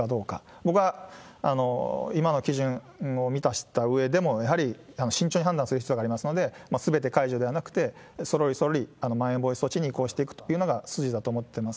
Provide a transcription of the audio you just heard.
僕は今の基準を満たしたうえでも、やはり慎重に判断する必要がありますので、すべて解除ではなくて、そろりそろりまん延防止措置に移行していくというのが筋だと思ってます。